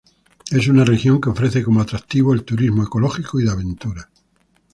Es una región que ofrece como atractivos el turismo ecológico y de aventura.